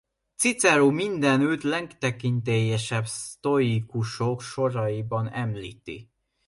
Cicero mindenütt a legtekintélyesebb sztoikusok soraiban említi.